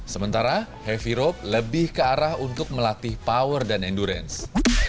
sementara heavy rope lebih ke arah untuk melatih power dan endurance